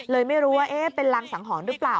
เลยไม่รู้ว่าเป็นรังสังหรณ์หรือเปล่า